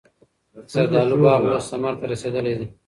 د زردالو باغ اوس ثمر ته رسېدلی دی.